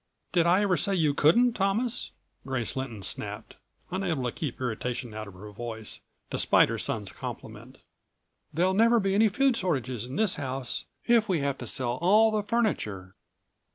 "Did I ever say you couldn't, Thomas?" Grace Lynton snapped, unable to keep irritation out of her voice, despite her son's compliment. "There'll never be any food shortages in this house, if we have to sell all of the furniture."